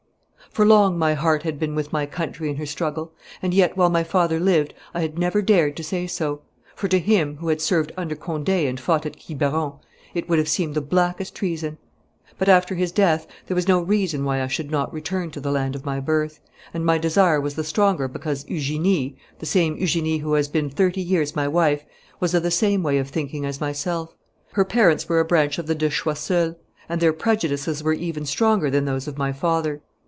For long my heart had been with my country in her struggle, and yet while my father lived I had never dared to say so; for to him, who had served under Conde and fought at Quiberon, it would have seemed the blackest treason. But after his death there was no reason why I should not return to the land of my birth, and my desire was the stronger because Eugenie the same Eugenie who has been thirty years my wife was of the same way of thinking as myself. Her parents were a branch of the de Choiseuls, and their prejudices were even stronger than those of my father.